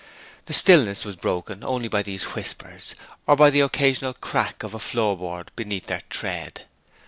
The stillness was broken only by these whispers, or by the occasional crack of a floor board beneath their tread.